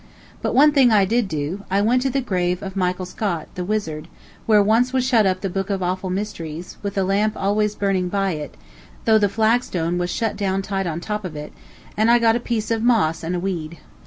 But one thing I did do: I went to the grave of Michael Scott the wizard, where once was shut up the book of awful mysteries, with a lamp always burning by it, though the flagstone was shut down tight on top of it, and I got a piece of moss and a weed.